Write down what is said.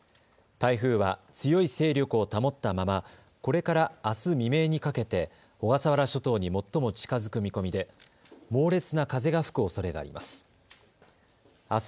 台風は強い勢力を保ったままこれからあす未明にかけて小笠原諸島に最も近づく見込みで猛烈な風が吹くおそれがあります。